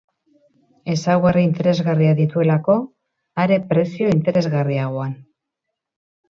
Ezaugarri interesgarriak dituelako, are prezio interesgarriagoan.